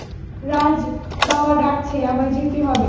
রাজ, - বাবা ডাকছে, আমায় যেতে হবে।